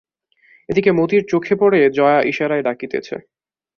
এদিকে মতির চোখে পড়ে জয়া ইশারায় ডাকিতেছে।